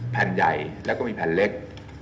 แผ่นใหญ่แล้วก็มีแผ่นเล็ก